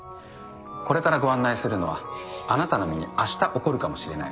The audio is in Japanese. これからご案内するのはあなたの身に明日起こるかもしれない。